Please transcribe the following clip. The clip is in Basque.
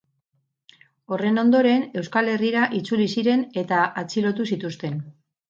Horren ondoren, Euskal Herrira itzuli ziren eta atxilotu zituzten.